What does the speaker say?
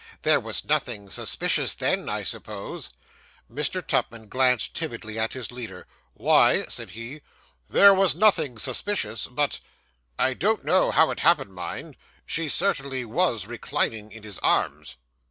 There was nothing suspicious then, I suppose?' Mr. Tupman glanced timidly at his leader. 'Why,' said he, 'there was nothing suspicious; but I don't know how it happened, mind she certainly was reclining in his arms.